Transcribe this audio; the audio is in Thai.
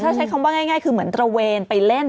ถ้าใช้คำว่าง่ายคือเหมือนตระเวนไปเล่น